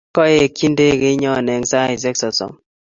Kaekchi ndegeinyo eng saaishek sosom